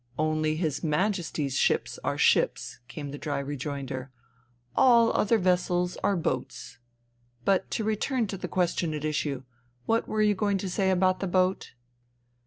" Only His Majesty's ships are ships," came the dry rejoinder. " All other vessels are boats. ... But to return to the question at issue, what were you going to say about the boat